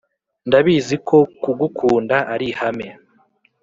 Ndabiziko ko kugukunda arihame